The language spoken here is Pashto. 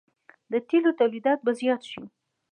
د تیلو تولید به زیات شي.